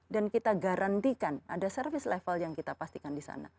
dan kita garantikan ada service level yang kita pastikan di sana